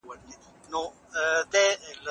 زه به خپله دعا په جومات کې وکړم.